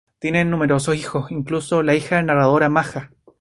Tienen numerosos hijos, incluida la hija narradora Maja.